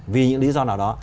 vì những lý do nào đó